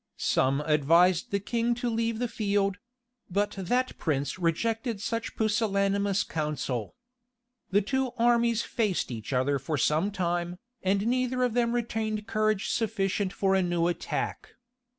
Some advised the king to leave the field; but that prince rejected such pusillanimous counsel. The two armies faced each other for some time, and neither of them retained courage sufficient for a new attack.